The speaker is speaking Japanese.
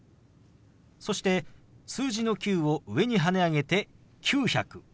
そして数字の「９」を上にはね上げて「９００」。